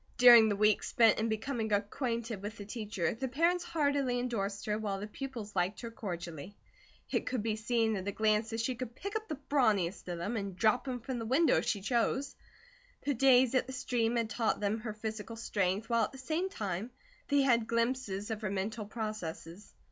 During the week spent in becoming acquainted with the teacher, the parents heartily endorsed her, while the pupils liked her cordially. It could be seen at a glance that she could pick up the brawniest of them, and drop him from the window, if she chose. The days at the stream had taught them her physical strength, while at the same time they had glimpses of her mental processes.